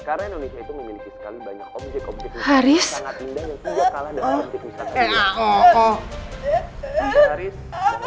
karena indonesia itu memiliki sekali banyak omnisik kompetisi